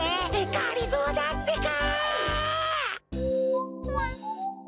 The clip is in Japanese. がりぞーだってか！